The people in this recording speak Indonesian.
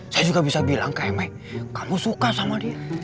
saya juga bisa bilang ke mck kamu suka sama dia